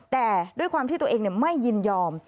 แต่ด้วยความที่ตัวเองไม่ยินยอม